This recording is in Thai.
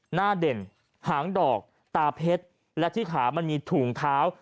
หน้าเด่นหางดอกตาเพชรและที่ขามันมีถุงเท้า